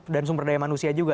dan sumber daya manusia juga